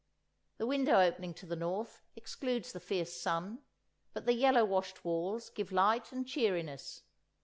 The window opening to the north excludes the fierce sun, but the yellow washed walls give light and cheeriness.